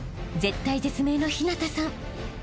［絶体絶命の陽向さん］